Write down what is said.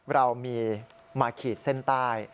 เรามีมาขีดเส้นใต้